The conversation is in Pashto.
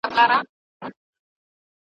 مور مي وویل چي تل مهربانه اوسه.